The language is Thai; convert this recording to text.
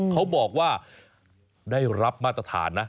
เขาบอกว่าได้รับมาตรฐานนะ